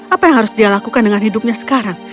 apa yang harus dia lakukan dengan hidupnya sekarang